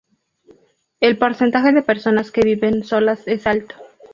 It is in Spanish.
El porcentaje de personas que viven solas es alto.